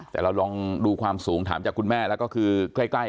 แต่เราลองดูความสูงถามจากคุณแม่แล้วก็คือใกล้